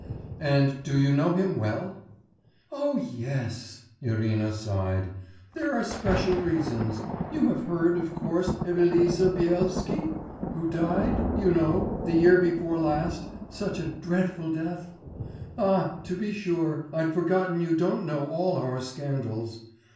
'And do you know him well?' 'Oh, yes!' Irina sighed. 'There are special reasons.... You have heard, of course, of Eliza Byelsky.... Who died, you know, the year before last, such a dreadful death?... Ah, to be sure, I'd forgotten you don't know all our scandals....